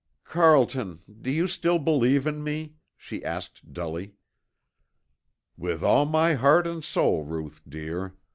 "Carlton, do you still believe in me?" she asked dully. "With all my heart and soul, Ruth, dear.